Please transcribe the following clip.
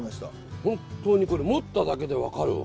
本当にこれ持っただけで分かるわ。